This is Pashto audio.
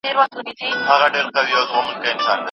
ډېرو ړوند سړیو په ګڼ ځای کي ږیري پریښي دي.